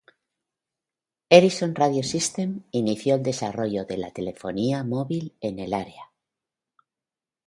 Ericsson Radio Systems inició el desarrollo de la telefonía móvil en el área.